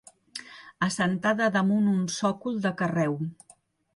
Assentada damunt un sòcol de carreu.